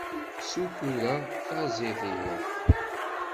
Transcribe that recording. Ssutureɣ taẓidirt.